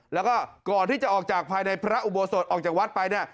แล้วก็ก่อนที่จะออกจากภายในพระอุโบสถออกจากวัดไปเนี่ย